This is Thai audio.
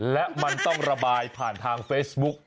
และมันต้องระบายผ่านทางเฟซบุ๊ก